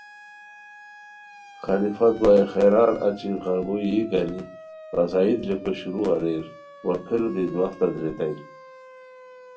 خلیفہ دعائے خیرار اچی غربو یی گانی قصائد ریک شروع اریر وا پھیرو دی دوخنہ دریتانی